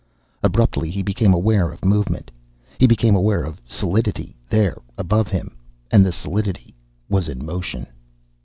Abruptly he became aware of movement. He became aware of solidity there above him. And the solidity was in motion.